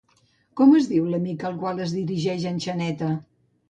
Com es diu l'amic al qual es dirigeix en Xaneta?